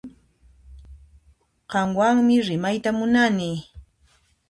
Qanwanmi rimayta munani